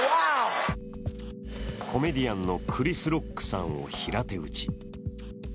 コメディアンのクリス・ロックさんを平手打ち。